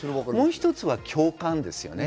もう１つは共感です。